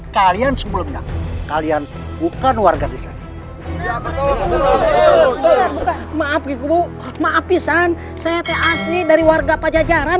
kalian sebelumnya kalian bukan warga desa maaf maaf izan saya asli dari warga pajajaran